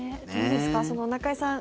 中居さん